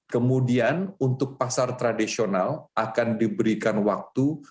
kemudian untuk pasar tradisional akan diberikan waktu